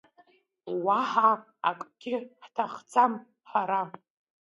Уаҳа акгьы ҳҭахӡам ҳара!